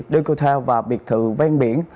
dkt và biệt thự ven biển